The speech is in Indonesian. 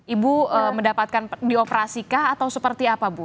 ibu mendapatkan dioperasikah atau seperti apa bu